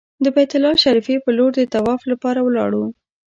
د بیت الله شریفې پر لور د طواف لپاره ولاړو.